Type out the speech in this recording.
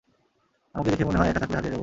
আমাকে দেখে মনে হয় একা থাকলে হারিয়ে যাবো?